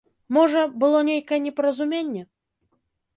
Можа, было нейкае непаразуменне.